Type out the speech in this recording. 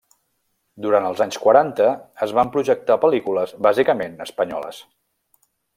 Durant els anys quaranta es van projectar pel·lícules, bàsicament, espanyoles.